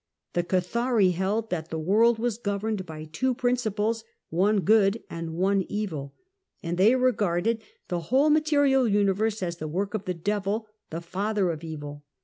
The Cathari held that the world was governed by two principles, one good and one evil, and they regarded the Cathari THE TWELFTH CENTURY RENAISSANCE 121 whole material universe as the work of the devil, the father of evil.